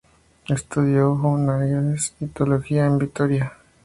Estudió Humanidades y Teología en Vitoria.